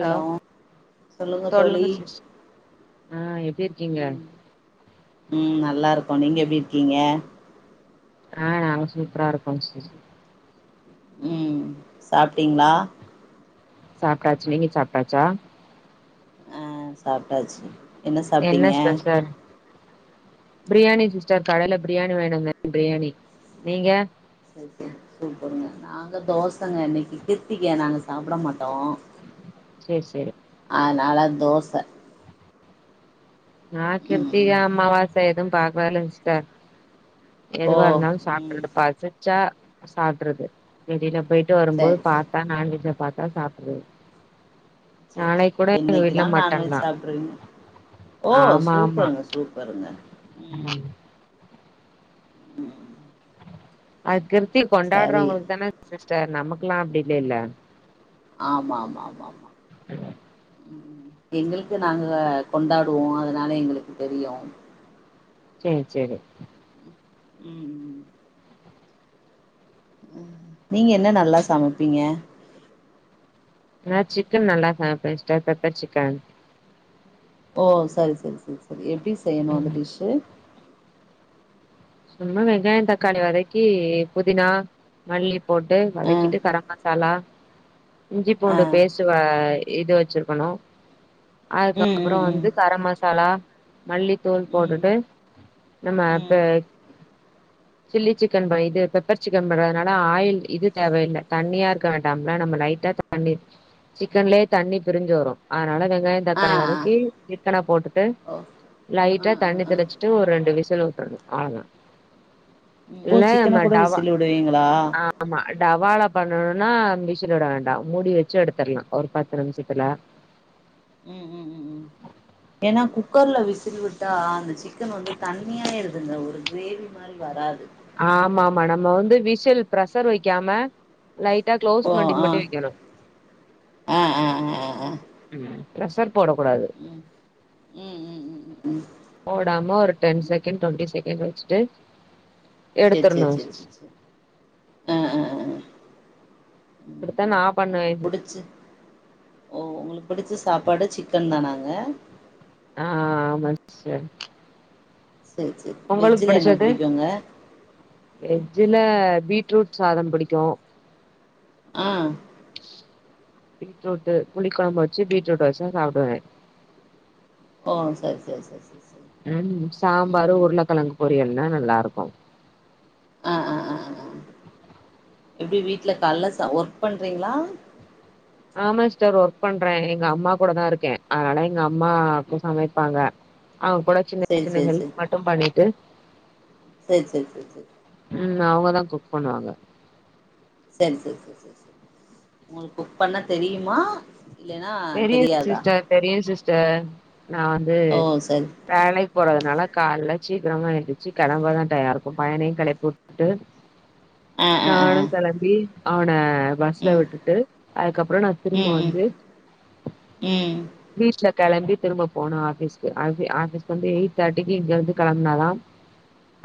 Hello சொல்லுங்க தோழி ஆ எப்டி இருக்கீங்க உம் உம் நல்லா இருக்கு கேன் நீங்க எப்படி இருக்கீங்க ஆஹ் நாங்க சூப்பரா இருக்கோம் உம் சாப்பிட்டீங்களா சாப்ட்டாச்சு நீங்க சாப்ட்டாச்சா ஆ சாப்ட்டாச்சு என்ன சாப்ட்டீங்க பிரியாணி சிஸ்டர் கடையில பிரியாணி வாங்கிட்டு வந்தேன் பிரியாணி நீங்க சரி சரி சூப்புருங்க நாங்க தோசைங்க இன்னைக்கு கிருத்திகை நாங்க சாப்பிட மாட்டோம் செரி செரி அதனால தோசை ஆஹ் கிர்த்திகை அம்மாவா ச எதும் பாக்கவே இல்ல சிஸ்டர் ஓ எதுவாக இருந்தாலும் ம் சாப்ட்டுறது பசிச்சா சாப்ட்றது வெளியில பொய்ட் போயிட்டு வரும்போது சரி சரி பார்ப்ப நாண்வெஜை பார்த்தா சாப்பிட்ரு சரி சரி என்னைக்குதான் தா நான்வெஜ் சாப்பிடுறீங்க ஓ ஆமா ஆமா சூப்பருங்க சூப்பருங்க ம். உம் அர்கில் சுத்தி கொண்டாடுறவங்களுக்கு தான ஸ்பெசல் ச நமக்கெல்லாம் அப்படி இல்லல்ல ஆமா ஆமா ஆமா ஆமா எங்களுக்கு நாங்க கொண்டாடுவோம் அதனால எங்களுக்கு தெரியும் சேரி சேரி ம்ம் நீங்க என்ன நல்லா சமைப்பீங்க நா சிக்கன் நல்லா சமைப்பேன் சிஸ்டர் பெப்பர் சிக்கன் ஓ சரி சரி சரி எப்படி செய்யணும் அந்த ம் டிஸ்சு சும்மா வெங்காயம் தக்காளி வதக்கி புதினா மல்லி போட்டு ஆ வதக்கிட்டு கரம் மசாலா இஞ்சி ஆ பூண்டு பேஸ்ட் இது வச்சிருக்கணும் ம் ம் அதுக்கப்புறம் ம் வந்து கர மசாலா மல்லித்தூள் ம் போட்டுட்டு நம்ம இப்ப ம் சில்லி சிக்கன் பண்ணிட்டு பெப்பர் சிக்கன் பண்றதுனால ஆயில் இது தேவையில்ல தண்ணியா இருக்க மாட்டாம்லா நம்ம லைட்டா தண்ணி சிக்கன்லயே தண்ணி பிரிஞ்சு வரும் அதனால வெங்காயம் ஆ தக்காளி ஆ வதக்கி சிக்கனா போட்டுட்டு ஓ ஆ லைட்டா ஆ தண்ணி ஆ தெளிச்சிட்டு ஒரு ரெண்டு விசில் ஊட்டுறணும் அவ்ளோ தான் ஓ சிக்கனை கூட டவா விசில் விடுவீங்களா ஆமா டவால பண்ணணும்னா விசில் விட வேண்டாம் மூடி வச்சு எடுத்தரலாம் ஒரு பத்து நிமிஷத்துல ம் ம் ம் ம் ஏன்னா குக்கர்ல விசில் விட்டா அந்த சிக்கன் வந்து தண்ணியாவே இருக்குது ஒரு கிரேவி மாதிரி வராது ஆமா ஆமா நம்ம வந்து விஷல் பிரசர் வைக்காம லைட்டா க்ளோஸ் ஓ பண்ணி ஆ மட்டும் வைக்கணும் ஆ ஆ ஆ ஆ பிரசர் போடக் கூடாது ம் ம் ம் ம் ம் போடாம ஒரு டென் செகண்ட் டுவண்ட்டி செகண்ட் வச்சுட்டு சரி சரி எடுத்துரணு சரி சிஸ் சரி சரி ஆஹ் ஆஹ் இப்டித்தா நா பண்ணுவே இது புடிச்ச உங்களுக்கு பிடிச்ச சாப்பாடு சிக்கன் தானா ஏ ஆ ஆ ஆமா சேர் சரி சரி வெஜ்ல என்ன புடிக்குங்க ஜில பீட்ரூட் சாதம் புடிக்கும் ஆன் பீட்ரூட் புளி குழம்பு வச்சு பீட்ரூட் வச்சா சாப்டுவேன் ஒ சரி சரி சரி சரி உம் சாம்பார் ம் உருளைக்கிழங்கு பொரியல்னா நல்லா இருக்கும் அஹ் அஹ் ஆஹ் எப்படி வீட்டு்ல கால்ல ஒர்க் பண்றீங்களா பண்றேன் எங்க அம்மா கூட தான் இருக்கேன் அதனால எங்க அம்மா அப்ப சமைப்பாங்க அவங்க கூட சின்ன சேரி சின்ன ஹெல்ப் மட்டும் பண்ணி ட்டு சரி சரி சரி சரி உம் அவங்கதான் குக் பண்ணுவாங்க சரி சரி சரி ச சரி உங்களுக்கு குக் பண்ண தெரியுமா இல்லன்னா தெரியும் தெரியாதா சிஸ்டர் தெரியும் சிஸ்டர் நான் வந்து ஓ சரி வேலைக்கு போறதுனால கால்ல சீக்கிரமா எழுந்துச்சி கிளம்ப தான் டயம் இருக்கும் பையனையும் களப்பிட்டு ஆ ஆ ஆ ஆ நானும் கெளம்பி அவன பஸ்ல ம் விட்டுட்டு அதுக்கப்றம் நான் திரும்ப வந்து உம் வீட்ல கெளம்பி திரும்ப போணும் ஆஃபீஸ்க்கு ஆபீஸ்கு வந்து எயிட் தேர்ட்டிக்கு இங்க இருந்து கிளம்பனாதான்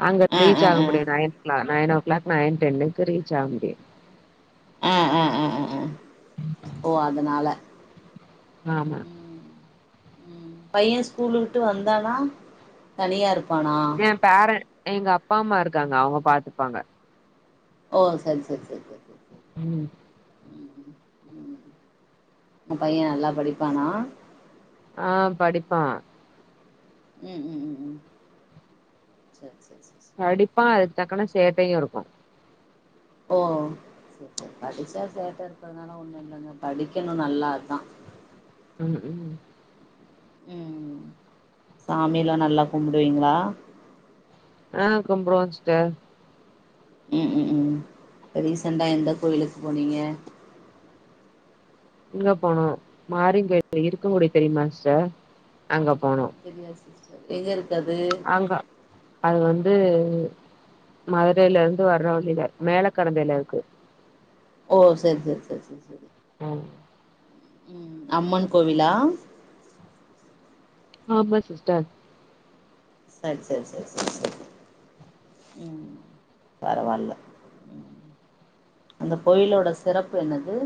அங்க ஆ ரீச் ஆ ஆக ஆ முடியும் நயன்க்கலாம் நைன் ஒ க்ளாக் நைன் டென்க்கு ரீச் ஆக முடியும் ஆஹ் ஆஹ் ஆஹ் ஆஹ் ஒ அதனால ஆமா உம் பையன் ஸ்கூலு விட்டு வந்தானா தனியா இருக் என் பேரன் எங்க அப்பா அம்மா இருக்காங்க அவங்க பாத்துப்பாங்க ஒ சரி சரி சரி சரி உம் உங்க பையன் நல்லா படிப்பானா ஆஹ் படிப்பான் உம் உம் உம் உம் சேரி சேரி படிப்பான் தக்கன்ன சேட்டையும் இருக்கும் ஓ சரி ச படிச்சா சேட்ட இருக்கிறதுனால ஒண்ணும் இல்லங்க படிக்கணும் நல்லாஅதான் உம் உம் உம் சாமியிலாம் நல்லா கும்புடுவீங்களா ஆஹ் கும்பிடுவோம் சிஸ்டர் உம் உம் உம் இ ரீசன்டா எந்த கோயிலுக்கு போனீங்க இங்க போனும் மாரி இருக்கங்கூடு தெரியுமா சிஸ்டர் அங்க போனோ தெரியாது சிஸ்டர் எங்க இரு அங்க அது வந் வந்து மதுரையிலருந்து வர்ற வழியில மேல கரந்தையில இருக்கு ஓ செரி செரி செரி செரி செரி உம் உம் அம்மன் கோவிலா ஆமா சிஸ்டர் சரி சரி சரி சரி சரி உம் பரவாயில்ல அந்த கோயிலோட சிறப்பு என்னது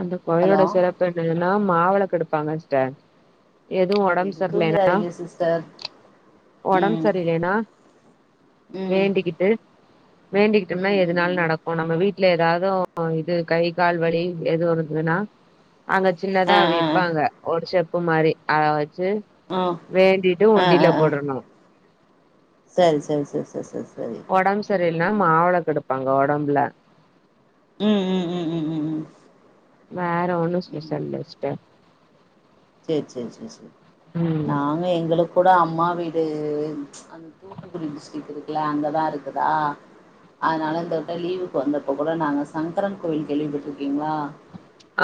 அந்த கோயிலோட ஹலோ சிறப்பு என்னதுனா மாவெளக்கு எடுப்பாங்கா சிஸ்டர் எதுவும் சரி உடம்பு சரி சரியலனா தூங்கிறாதீங்க சிஸ்டர் உடம்பு ம் சரியலனா ம் வேண்டிக்கிட்டு வேண்டிக்கிட்டோம்னா ம் ம் ம் எதனால ம் நடக்கும் நம்ம வீட்டு இல்ல ஏதாவது இது கை கால் வலி எது ஒண்ணதுண்ணா அங்க சின்னதா ஆ ஆ விப்பாங்க ஒருஷ குமாரி அ ஆ வேண்டிட்டு ஆ ஆ ஆ உண்டில ஆ போடணும் சரி சரி சரி சரி சரி உடம்பு சரியல்னா ம் மாவிளக்கு எடுப்பு பாங்க ஒடம்புல்ல உம் உம் உம் உம் உம் உம் வேற ஒண்ணும் ஸ்பெஷல் இல்ல சிஸ்டர் செரி செரி செரி செரி ம் நாங்க எங்களுக் கூட அம்மா வீடு அந்த தூத்துக்குடி டிஸ்டரிக் இருக்குல அங்கதான் இருக்குதா அதனால இந்தக்கிட்ட தா அம்மா வீடு லீவுக்கு வந்தப்போ கூட நாங்க சங்கரன்கோயில் கேள்விப்பட்டிருக்கீங்களா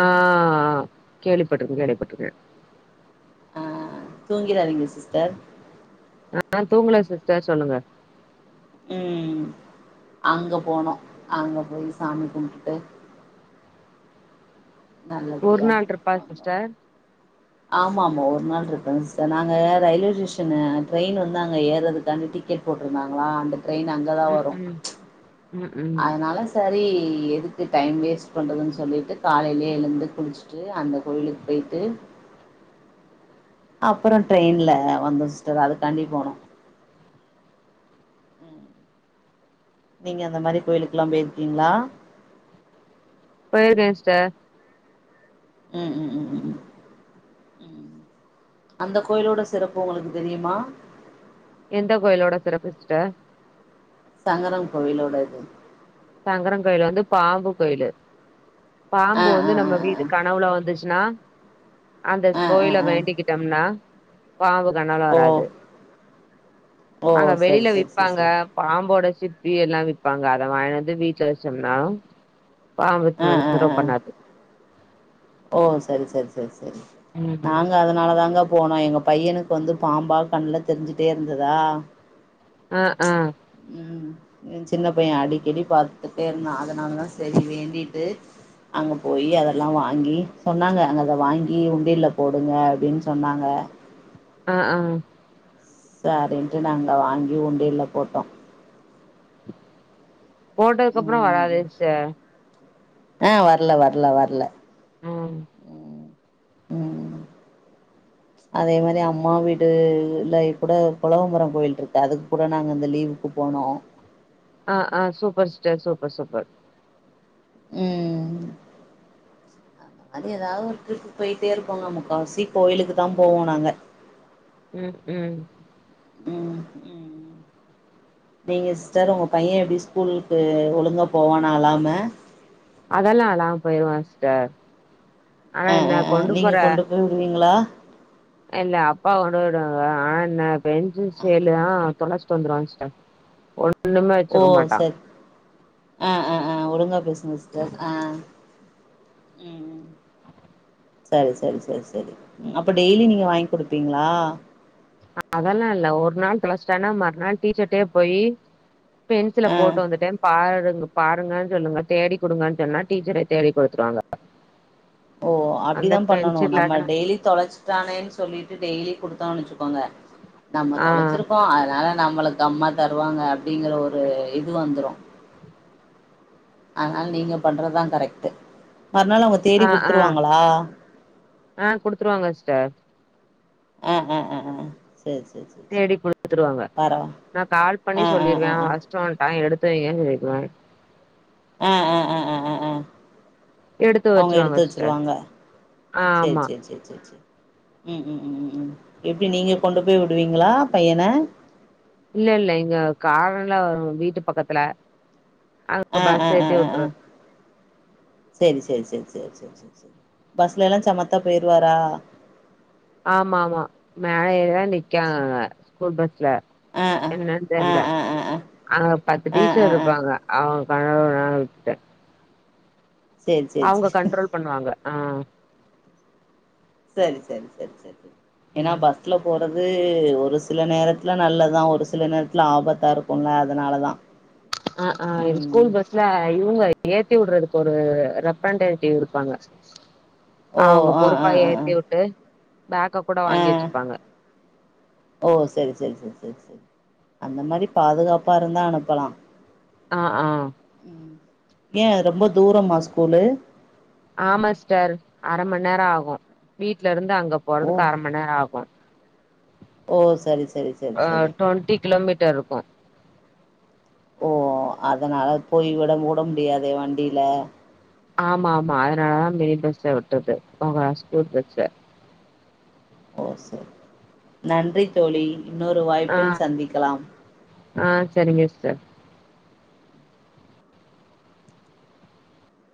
ஆஹ் கேள்விப்பட்டுருங்க கேள்விப்பட்ருக்கே ஆஹ் தூங்டாகிறாதிங்க சிஸ்டர் ஆஹ் தூங்குல சிஸ்டர் சொல்லுங்க உம் அங்க போனோம் அங்க போயி சாமி கும்பிட்டுட்டு ஒரு நல்லபடியா நாள் இருப்பா வந்தோ சிஸ்டர் ஆமா ஒரு நாள் நாங்க ரயில்வே ஒரு ஒரு நாள் சிஸ்டர் நாங்க ரயில்வே ஸ்டேஷன் டேய்ன் வந்து அங்க ஏறதுக்கான டிக்கெட் போட்டிருந்தாங்களா அ ட்ரெயின் அங்கே தான் ம் வரும் ம் ம் ம் அதனால சரி எதுக்கு டைம் வேஸ்ட் பண்றதுன்னு சொல்லிட்டு காலையிலேயே எழுந்து குளிச்சுட்டு அந்த கோயிலுக்கு போய்ட்டு அப்பறம் ட்ரெயின்ல வந்தோம் சிஸ்டர் அதுக்காண்டி போனும் நீங்க அந்த மாதிரி கோயிலுக்கெல்லாம் போயிருக்கீங்களா போயிருக்கேன் சிஸ்டர் உம் உம் உம் உம் உ உம் அந்த கோயிலோட சிறப்பு உங்களுக்கு தெரியுமா எந்த கோயிலோட சிறப்பு சிஸ்டர் சங்கரம் கோயிலோட இது சங்கரன் கோயில் வந்து பாம்பு கோயிலு ஆ பாம்பு வந்து ஆ ஆ நம்ம வீட்டு கனவுல வந்துச்சு நா அந்த ஆ ஆ ஆ கோயில ஆ வேண்டிக்கிட்டம்னா பாம்பு கனவுலாம் ஓ வராது ஓ அங்க சரி வெளியில சரி சரி விப்பாங்க சரி பாம்போட சிப்பி எல்லாம் விப்பாங்கா அத வாய்ன் வந் எது வீட்டுல வச்சோம்னாலும் பாம்பச்ச தொந்தரவு பண்ணாது ஒ சரி சரி சரி ம் நாங்க அதனால தாங்க போனோம் எங்க பையனுக்கு வந்து பாம்பா கண்ணுல தெரிஞ்சுட்டே இருந்ததா அஆ ம் சின்ன பையன் அடிக்கடி பாத்துட்டே இருந்தான் அதனால தான் சரி வேண்டிட்டு அங்க போய் அதெல்லாம் வா ங்கி சொன்னாங்க அங்க அத வாங்கி உண்டல போடுங்க அப்படின்னு சொன்னாங்க ஆஹ் ஆஹ் சரின்ட்டு நாங்க வாங்கி உண்டில போட்டோம் போட்டதுக்கு அப்புறம் வராது ச ஆஹ் வரல வரல வரல உஹம் உம் அதே மாதிரி அம்மா வீடுல கூட புளவம்பரம் கோயில் இருக்கு அதுக்கு கூட நாங்க இந்த லீவுக்கு போனோம் ஆஹ் ஆஹ் சூப்பர் சிஸ்டர் சூப்பர் சூப்பர் உம் அது ஏதாவது ஒரு டரிப் போயிட்டே இருப்போம் ந முக்கவசி கோயிலுக்கு தான் போவோம் நாங்க உஉம் ம் ம் நீங்க சிஸ்டர் உங்க பையன் எப்படி ஸ்கூலுக்கு ஒழுங்க போவோனா அழாம அதெல்லாம் அழமா போயிருவான் சிஸ்டர் ஆனா அஹ் என்ன ஆஹ்ஹ் நீங்க போற கொண்டு போய் விடுவீங்களா இல்ல அப்பா கொண்டு போய் விடுவாங்க ஆ னாப் பென்சில் சேலு தொலைச்சுட்டு வந்துருவாங்க சிஸ்டர் ஒண்ணுமே ஓ வச்சுக்க மாட்டா சார் ஆஹ் ஆஹ் ஆஹ் ஒழுங்கா பேசுங்க சார் ஆஹ் உம் சரி சரி சரி சரி அப்ப டெய்லி நீங்க வாங்கி குடுப்பீங்களா அதெல்லாம் இல்ல ஒரு நாள் கிளச்சிட்டானா மறுநாள் டீச்சர்டே போயி பென்சில ஆ போட்டு வந்துட்டேன் பா பாருங்கன்னு சொல்லுங்க தேடி குடுங்கன்னு சொன்னா டீச்சரே தேடி கொடுத்துருவாங்க ஓ அப்டிதான் பண்ணணும் நம்ம டெய்லி தொலைச்சி தானே சொல்லிட்டு டெய்லி குடு த்தோன் வச்சுக்கோங்க நம்ம ஆ தொலைச்சிருக்கோம் அதனால நம்மளுக்கு அம்மா தருவாங்க அப்படிங்கிறஒரு இது வந்துரும் அதனால நீங்க பண்றதுதான் கரெக்ட் மறுநாள் அவுங்க தேடி ஆ ஆ குடுத்துருவாங்களா ஆ குடுத்துருவாங்க சிஸ்டர் ஆஹ் ஆஹ் ஆஹ் சேரி சேரி சேரி பரவா நான் கால் பண்ணி ஆ ஆ ஆ சொல்லிருவேன் ஆ அவன் வசுட் வந்துட்டான் எடுத் து வைங்கன்னு கேட்ருவன் ஆஹ் ஆஹ் ஆஹ் எடுத்து அவுங்க எடுத்து சிஸ்டர் வச்சிருவாங்க சேரி ஆமா சேரி சேரி உம் உம் உம் உம் எப்டி நீங்க கொண்டு போய் வுடுவீங்ளா பையன இல்ல இல்ல இங்க காரல்லாம் வரும் வீட்டு பக்கத்துல அங்க ஆஹ் பஸ் ஆஹ் ஏத்தி விட்டுரு ஆஹ் சேரி சேரி சேரி சேரி சேரி பஸ்ல எல்லாம் சமத்தா போயிருவாரா ஆமா ஆமா மேல ஏறிதான் நிக்கா ராக ஸ்கூல் பஸ்ல ஆ ஆ என்னன்னு ஆ தெரியல ஆ ஆ ஆ அங்க பத்து ஆ டீச்சர் ஆ ஆ இருப்பாங்க அவுங் பழகன விட்டேன் சேரி சேரி அவுங்க சேரி கண்ட்ரோல் பண்ணுவாங்க ஆஹ் சரி சரி சரி சரி ஏன்னா ம் பஸ்ல போறது அது ஒரு சில நேரத்துல நல்லதான் ஒரு சில நேரத்துல ஆபத்தா இருக்கும்ல அதனாலதான் அஹ் ஆஹ் ஸ்கூல் பஸ்ல இவுங்க ஏத் திவுடுறதுக்கு ஒரு ரப்பன்டேட்டிவ் இருப்பாங்க ஓ அவுங்க ஆ ஆ பொறுப்பா ஆ ஏத்தி வுட்டு பேக்க கூட ஆ ஆ வாங்கி வச்சிப்பாங்க ஓ சரி சரி சரி சரி சரி அந்த மாரி பாதுகாப்பா இருந்தா அனுப்பலாம் ஆஹ் ஆஹ் ஏ ரொம்ப தூரமா ஸ்கூலு ஆமா ஸ்டர் அர மண் நேர ஆகு வீட்ல இருந் ந்து அங்க ஓ போறதுக்கு அர மண் நேர ஆகு ஓ சரி சரி சரி அஹ் ஆஹ் சரி டொண்ட்டி கிலோமீட்டர் இருக்கு ஓ அதனால இப்போய் விட முட முடியாதே வண்டியில ஆமா ஆமா அதனாலதா மினி பஸ்சுல விட்டது [unintelligible] ஸ்கூல் பஸ்ல ஓ சேர் நன்றி தோழி இன்னொரு வாய்ப்பில் ஆஹ் சந்திக்கலாம் ஆஹ் சேரிங்க சிஸ்டர்